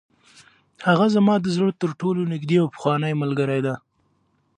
هغه زما د زړه تر ټولو نږدې او پخوانۍ ملګرې ده.